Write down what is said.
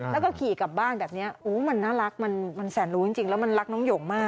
แล้วก็ขี่กลับบ้านแบบนี้มันน่ารักมันแสนรู้จริงแล้วมันรักน้องหยงมาก